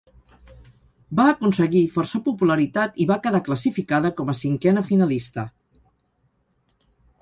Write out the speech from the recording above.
Va aconseguir força popularitat i va quedar classificada com a cinquena finalista.